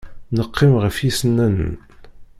Neqqim ɣef yisennanen.